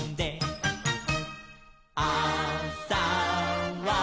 「あさは」